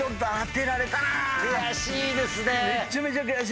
悔しいですね。